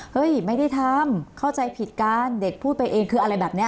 ไม่ได้ทำเข้าใจผิดกันเด็กพูดไปเองคืออะไรแบบนี้